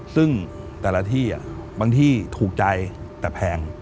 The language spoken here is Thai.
ซึ่งแต่ละที่บางที่ถูกใจแต่แพง